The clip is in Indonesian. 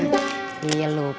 mereka berdua berdua berdua